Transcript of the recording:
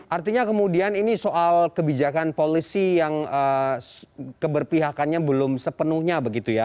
artinya kemudian ini soal kebijakan polisi yang keberpihakannya belum sepenuhnya begitu ya